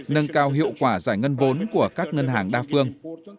nâng cao hiệu quả giải ngân vốn của các ngân hàng đa phương